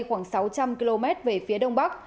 khoảng sáu trăm linh km về phía đông bắc